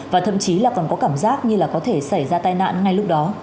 và thậm chí là còn có cảm giác như là có thể xảy ra tai nạn ngay lúc đó